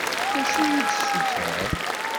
D acu i yi-d-tessuter?